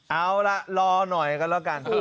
เอาล่ะรอหน่อยกันแล้วกัน